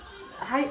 はい。